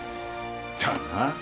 だな。